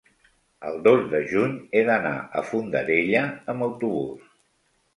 el dos de juny he d'anar a Fondarella amb autobús.